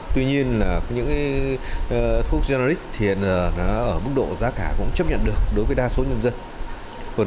tuy nhiên những thuốc generic ở mức độ giá cả cũng chấp nhận được đối với đa số nhân dân